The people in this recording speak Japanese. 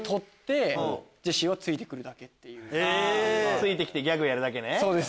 ついてきてギャグやるだけね。